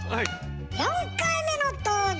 ４回目の登場